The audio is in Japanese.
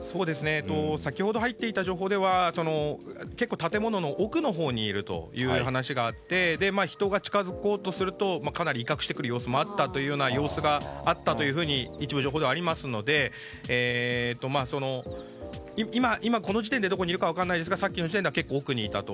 先ほど入っていた情報では結構、建物の奥のほうにいるという話があって人が近づこうとするとかなり威嚇してくる様子もあったという様子があったというふうに一部、情報ではありますので今、この時点でどこにいるかは分からないんですがさっきの時点では結構奥にいたと。